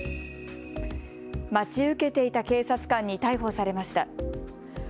待ち受けていた警察官に逮捕されました。